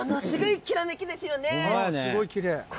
すごいきれい。